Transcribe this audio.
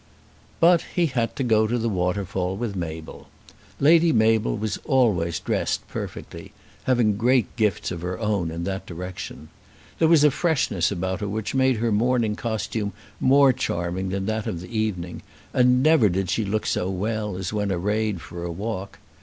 But he had to go to the waterfall with Mabel. Lady Mabel was always dressed perfectly, having great gifts of her own in that direction. There was a freshness about her which made her morning costume more charming than that of the evening, and never did she look so well as when arrayed for a walk.